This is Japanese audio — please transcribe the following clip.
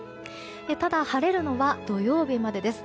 ただ晴れるのは土曜日までです。